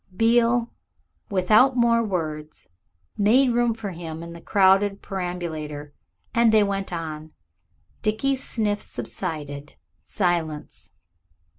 Beale, without more words, made room for him in the crowded perambulator, and they went on. Dickie's sniffs subsided. Silence.